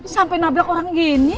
sampai nabrak orang gini